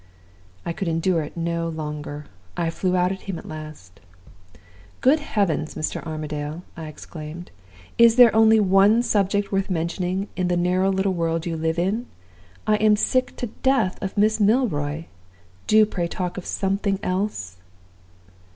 "I could endure it no longer. I flew out at him at last. "'Good heavens, Mr. Armadale!' I exclaimed, 'is there only one subject worth mentioning, in the narrow little world you live in? I'm sick to death of Miss Milroy. Do pray talk of something else?